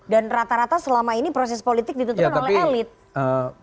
dan rata rata selama ini proses politik ditentukan oleh elite